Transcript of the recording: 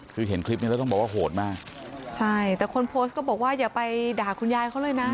คือเห็นคลิปนี้แล้วต้องบอกว่าโหดมากใช่แต่คนโพสต์ก็บอกว่าอย่าไปด่าคุณยายเขาเลยนะ